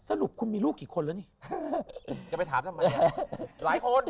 สรุปคุณมีลูกกี่คนแล้วนี่จะไปถามทำไมหลายคน